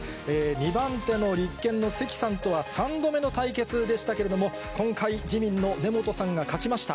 ２番手の立憲の関さんとは３度目の対決でしたけれども、今回、自民の根本さんが勝ちました。